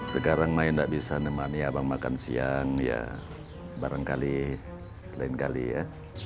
sekarang main nggak bisa nemani abang makan siang ya barangkali lain kali ya